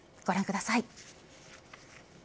ご覧ください。